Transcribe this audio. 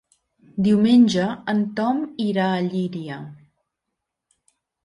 Diumenge en Tom irà a Llíria.